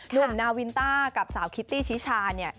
หนุ่มนาวินต้ากับสาวคิตตี้ชิชาเนี่ย